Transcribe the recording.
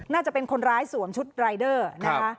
น่าจะเป็นคนร้ายสวมชุดรายเดอร์นะคะ